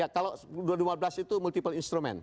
ya kalau dua ribu lima belas itu multiple instrument